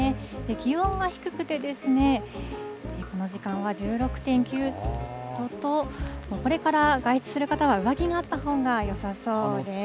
気温が低くて、この時間は１６．９度と、これから外出する方は、上着があったほうがよさそうです。